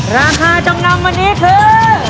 ราคาจำนำวันนี้คือ